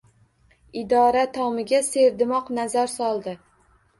Idora tomiga serdimoq nazar soldi.